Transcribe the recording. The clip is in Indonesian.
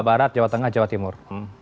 barat jawa tengah jawa timur